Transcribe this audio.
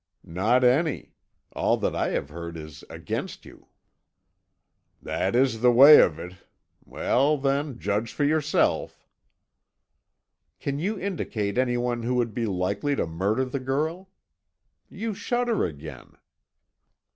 "Not any; all that I have heard is against you." "That is the way of it. Well, then, judge for yourself." "Can you indicate anyone who would be likely to murder the girl? You shudder again."